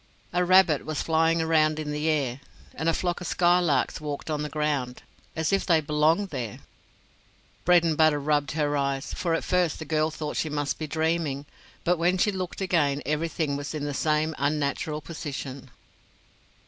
A rabbit was flying around in the air, and a flock of skylarks walked on the ground, as if they belonged there. Bredenbutta rubbed her eyes, for at first the girl thought she must be dreaming; but when she looked again everything was in the same unnatural position.